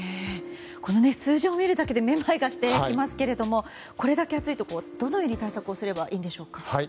この数字を見るだけでめまいがしてきますけどこれだけ暑いと、どのように対策をすればいいんでしょうか。